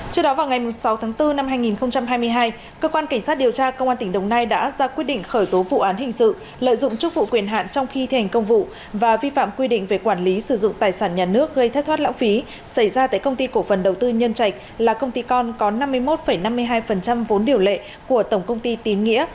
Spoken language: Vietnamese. thưa quý vị vào ngày một mươi hai tháng chín cơ quan cảnh sát điều tra công an tp hcm đã ra quyết định khởi tố vụ án hình sự về hành vi phạm quy định về quản lý sử dụng tài sản nhà nước gây thất thoát lão phí để tiếp tục điều tra và làm rõ các sai phạm trong quá trình thực hiện cổ phần hóa của tổng công ty tín nghĩa